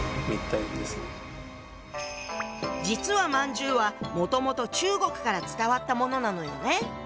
実は饅頭はもともと中国から伝わったものなのよね。